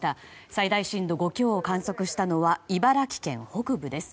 最大震度５強を観測したのは茨城県北部です。